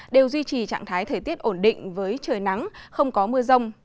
đều duy trì trạng thái thời tiết ổn định với trời nắng không có mưa rông